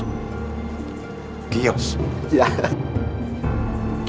oh oh lack bai tablet